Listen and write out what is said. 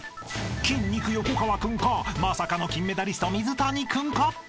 ［筋肉横川君かまさかの金メダリスト水谷君か？］